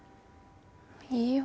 いいよ